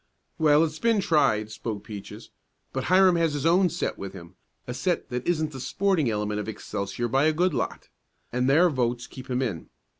"Well, it's been tried," spoke Peaches, "but Hiram has his own set with him a set that isn't the sporting element of Excelsior by a good lot, and their votes keep him in.